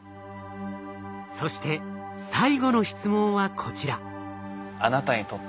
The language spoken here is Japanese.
そして最後の質問はこちら。